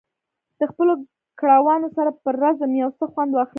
د خپلو کړاوونو سره په رزم یو څه خوند واخلي.